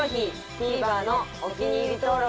ＴＶｅｒのお気に入り登録